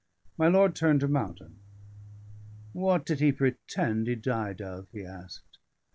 My lord turned to Mountain. "What did he pretend he died of?" he asked.